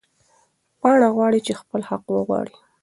پاڼه غواړې چې خپل حق وغواړي.